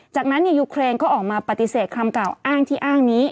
จากนั้นยูเครนก็ออกมาปฏิเสธคำกล่าวอ้างที่อ้างนี้